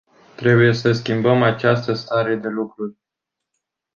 Trebuie să schimbăm această stare de lucruri.